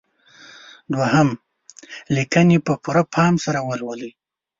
دوهم: لیکنې په پوره پام سره ولولئ.